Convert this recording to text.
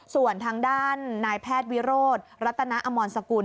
ส่วนทางด้านนายแพทย์วิโรธรัตนอมรสกุล